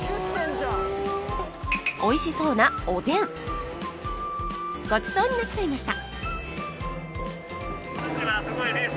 おいしそうなごちそうになっちゃいました